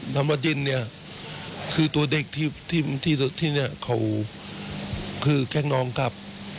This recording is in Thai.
ธรรมวดินเนี่ยคือตัวเด็กที่เนี่ยเขาคือแค่น้องกลับ